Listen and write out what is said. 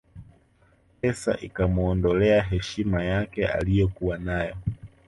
Pesa ikamuondolea heshima yake aliyokuwa nayo